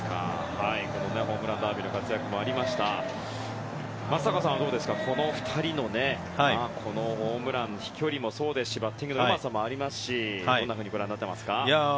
ホームランダービーの活躍もありましたが松坂さんは、この２人のホームランの飛距離もそうですしバッティングのうまさもありますしどんなふうにご覧になっていますか。